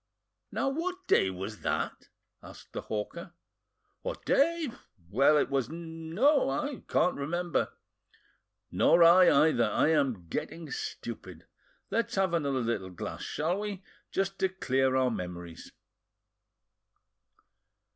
"Now, what day was that?" asked the hawker. "What day? Well, it was—no, I can't remember." "Nor I either; I am getting stupid. Let's have another little glass shall we? just to clear our memories!"